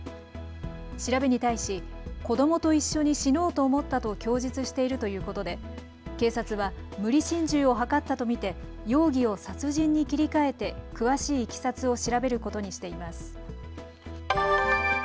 調べに対し子どもと一緒に死のうと思ったと供述しているということで警察は無理心中を図ったと見て容疑を殺人に切り替えて詳しいいきさつを調べることにしています。